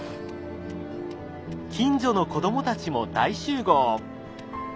近所の子どもたちも大集合。